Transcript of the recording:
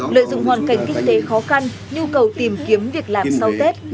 lợi dụng hoàn cảnh kinh tế khó khăn nhu cầu tìm kiếm việc làm sau tết